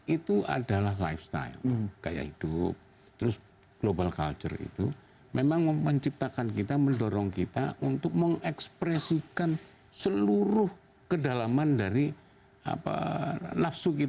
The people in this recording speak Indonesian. itu adalah lifestyle gaya hidup terus global culture itu memang menciptakan kita mendorong kita untuk mengekspresikan seluruh kedalaman dari nafsu kita